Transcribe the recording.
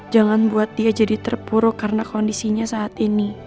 jangan buat dia jadi terpuruk karena kondisinya saat ini